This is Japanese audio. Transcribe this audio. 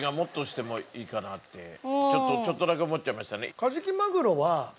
ちょっとだけ思っちゃいましたね。